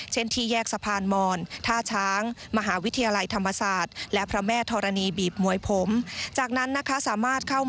เช่นที่แยกสะพานมอนท่าช้างมหาวิทยาลัยธรรมศาสตร์และพระแม่ทรนีบีบมวยผม